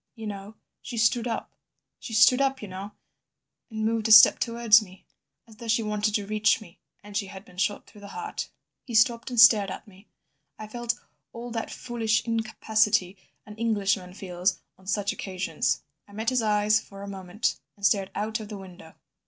. "You know—she stood up— "She stood up, you know, and moved a step towards me—as though she wanted to reach me— "And she had been shot through the heart." He stopped and stared at me. I felt all that foolish incapacity an Englishman feels on such occasions. I met his eyes for a moment, and then stared out of the window.